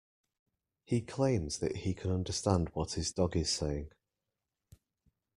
He claims that he can understand what his dog is saying